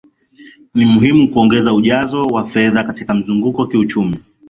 Ni muhimu kuongeza ujazo wa fedha katika mzunguko kiuchumi